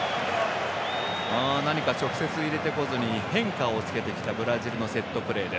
何か、直接入れてこずに変化をつけてきたブラジルのセットプレー。